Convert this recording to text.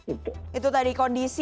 itu tadi kondisi